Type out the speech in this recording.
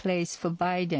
バイデン